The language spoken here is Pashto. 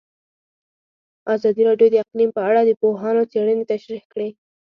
ازادي راډیو د اقلیم په اړه د پوهانو څېړنې تشریح کړې.